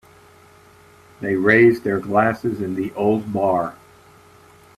They raised their glasses in the old bar.